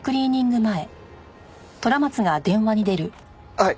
はい。